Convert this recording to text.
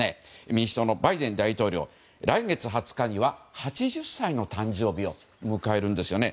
民主党のバイデン大統領来月２０日には８０歳の誕生日を迎えるんですよね。